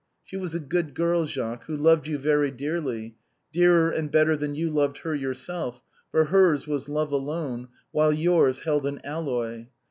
She was a good girl, Jacques, who loved you very dearly — dearer and better than you loved her yourself, for hers was love alone, whilst yours held an alloy.